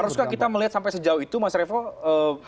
haruskah kita melihat sampai sejauh itu mas reva mengantisipasinya